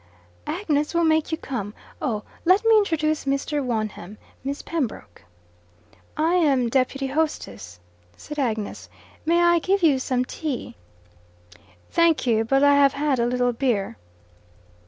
"Agnes will make you come. Oh, let me introduce Mr. Wonham Miss Pembroke." "I am deputy hostess," said Agnes. "May I give you some tea?" "Thank you, but I have had a little beer."